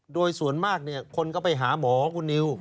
โดยส่วนมากคนก็ไปหาหมอคุณนิว